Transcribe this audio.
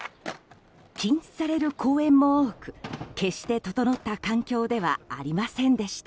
禁止される公園も多く決して整った環境ではありませんでした。